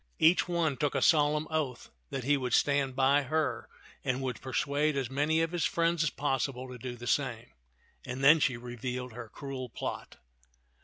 Each one took a solemn oath that he would stand by her and would persuade as many of his friends as possible to do the same ; and then she revealed her cruel plot.